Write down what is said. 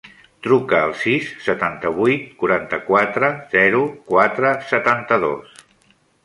Truca al sis, setanta-vuit, quaranta-quatre, zero, quatre, setanta-dos.